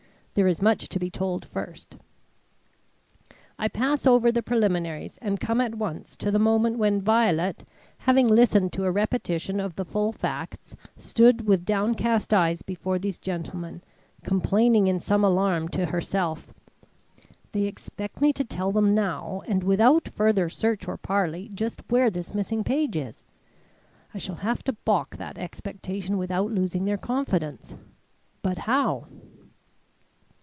There is much to be told first. I pass over the preliminaries, and come at once to the moment when Violet, having listened to a repetition of the full facts, stood with downcast eyes before these gentlemen, complaining in some alarm to herself: "They expect me to tell them now and without further search or parley just where this missing page is. I shall have to balk that expectation without losing their confidence. But how?"